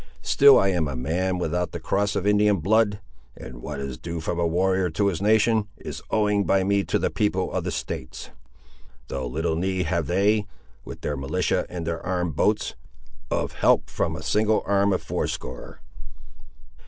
Still am I a man without the cross of Indian blood; and what is due from a warrior to his nation, is owing by me to the people of the States; though little need have they, with their militia and their armed boats, of help from a single arm of fourscore."